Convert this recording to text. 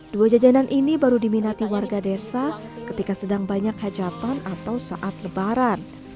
dua jajanan ini baru diminati warga desa ketika sedang banyak hajatan atau saat lebaran